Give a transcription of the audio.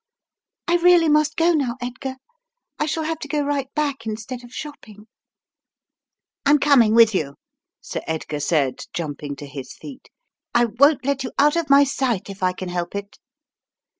I really must go now, Edgar. I shall have to go right back instead of shopping." "I'm coming with you," Sir Edgar said, jumping to his feet. "I won't let you out of my sight if I can help it."